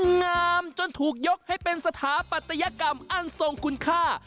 งามจนถูกยกให้เป็นสถาปัตยกรรมอันทรงคุณค่า